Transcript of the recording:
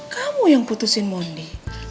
kamu yang putusin mondi